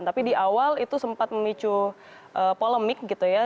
tapi di awal itu sempat memicu polemik gitu ya